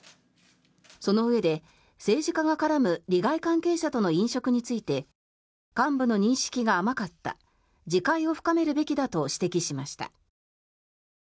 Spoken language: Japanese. そのうえで、政治家が絡む利害関係者との飲食について幹部の認識が甘かった自戒を深めるべきだと指摘しました。